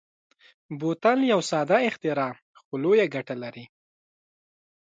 بوتل یو ساده اختراع خو لویه ګټه لري.